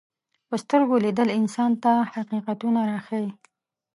په سترګو لیدل انسان ته حقیقتونه راښيي